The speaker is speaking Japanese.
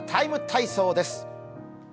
「ＴＨＥＴＩＭＥ，体操」です。